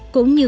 cũng như vậy